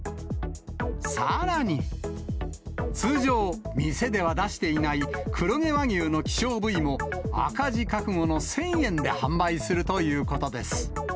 さらに、通常、店では出していない、黒毛和牛の希少部位も、赤字覚悟の１０００円で販売するということです。